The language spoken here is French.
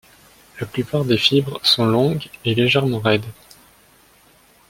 La plupart des fibres sont longues et légèrement raides.